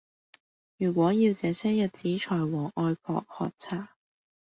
如果要這些日子才和外婆喝茶